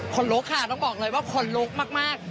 คนลุกค่ะต้องบอกเลยว่าคนลุกมาก